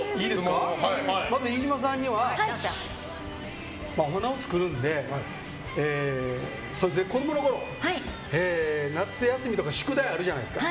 まず飯島さんにはお花を作るので子供のころ、夏休みとか宿題あるじゃないですか。